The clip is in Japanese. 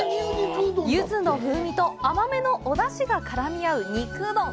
ユズの風味と甘めのお出汁が絡み合う肉うどん。